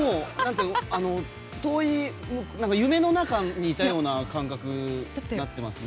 遠い夢の中にいたような感覚になってますね。